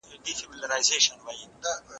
ملا دا نه ویل چي زموږ خو بې روژې روژه ده